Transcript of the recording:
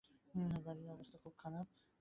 বাড়ির অবস্থা।